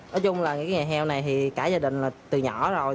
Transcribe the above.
nói chung là ngày heo này thì cả gia đình là từ nhỏ rồi